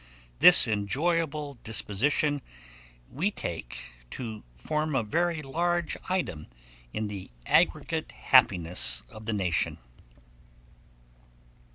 This enjoyable disposition we take to form a very large item in the aggregate happiness of the nation.